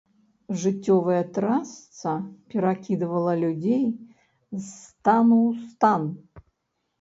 Жыццёвая трасца перакідвала людзей з стану ў стан.